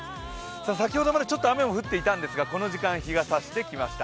先ほどまでちょっと雨も降っていたんですが、この時間、日が差してきました。